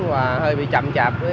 và hơi bị chậm chạp